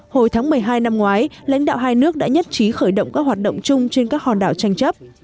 hồi tháng một mươi hai năm ngoái lãnh đạo hai nước đã nhất trí khởi động các hoạt động chung trên các hòn đảo tranh chấp